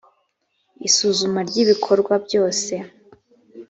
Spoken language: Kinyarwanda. isuzuma ry’ibikorwa byose